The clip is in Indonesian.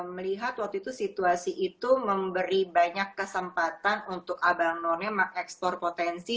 melihat waktu itu situasi itu memberi banyak kesempatan untuk abang noni maaf ekspor potensi